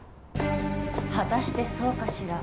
果たしてそうかしら。